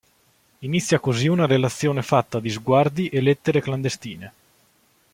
Inizia così una relazione fatta di sguardi e lettere clandestine.